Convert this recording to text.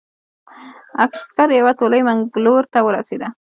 عسکرو یوه تولۍ منګلور ته ورسېده.